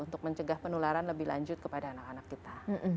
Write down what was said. untuk mencegah penularan lebih lanjut kepada anak anak kita